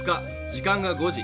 時間が５時。